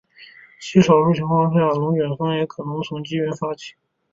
极少数情况下龙卷风也可能从积云发起。